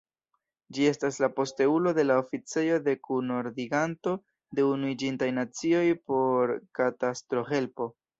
Ĝi estas la posteulo de la Oficejo de Kunordiganto de Unuiĝintaj Nacioj por Katastrohelpo.